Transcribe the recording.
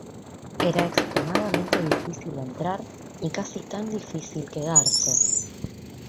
Era extremadamente difícil entrar y casi tan difícil quedarse.